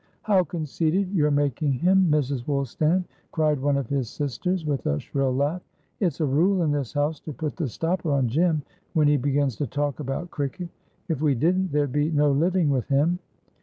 "How conceited you're making him, Mrs. Woolstan!" cried one of his sisters, with a shrill laugh. "It's a rule in this house to put the stopper on Jim when he begins to talk about cricket. If we didn't, there'd be no living with him."